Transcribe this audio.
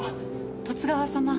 十津川様